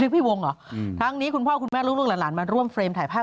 พี่วงเหรอทั้งนี้คุณพ่อคุณแม่ลูกหลานมาร่วมเฟรมถ่ายภาพ